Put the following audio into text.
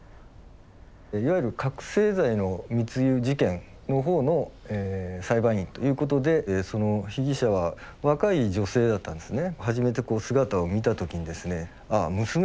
いわゆる覚醒剤の密輸事件の方の裁判員ということでその被疑者は若い女性だったんですね。